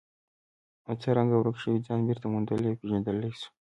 او څرنګه ورک شوی ځان بېرته موندلی او پېژندلی شو.